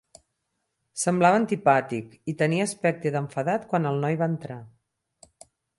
Semblava antipàtic, i tenia aspecte d'enfadat quan el noi va entrar.